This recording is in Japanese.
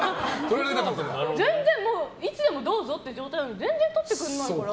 全然いつでもどうぞっていう状態なのに全然、撮ってくれないから。